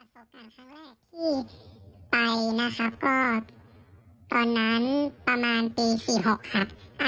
ประสบการณ์ครั้งแรกที่ไปนะครับก็ตอนนั้นประมาณปี๔๖ครับ